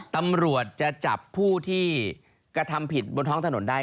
ตำรวจจะจับผู้ที่กระทำผิดบนท้องถนนได้